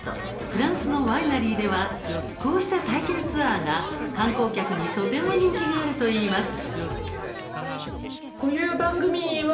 フランスのワイナリーではこうした体験ツアーが、観光客にとても人気があるといいます。